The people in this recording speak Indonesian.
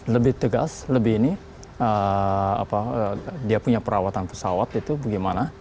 lebih tegas lebih ini dia punya perawatan pesawat itu bagaimana